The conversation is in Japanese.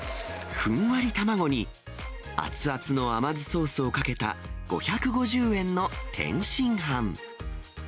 ふんわり卵に、熱々の甘酢ソースをかけた５５０円の天津飯。